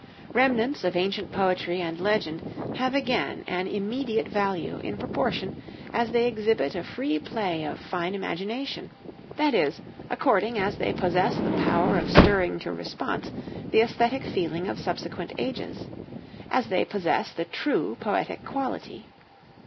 Remnants of ancient poetry and legend have again an immediate value in proportion as they exhibit a free play of fine imagination; that is, according as they possess the power of stirring to response the aesthetic feeling of subsequent ages, as they possess the true poetic quality.